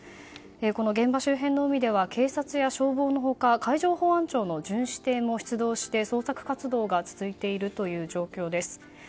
この現場周辺の海では警察や消防の他海上保安庁の巡視艇も出動して捜索活動が続いているという状況です。